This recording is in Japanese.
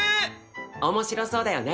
面白そうだよね。